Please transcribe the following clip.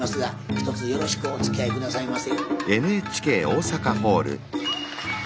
ひとつよろしくおつきあい下さいませ。